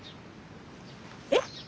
えっ？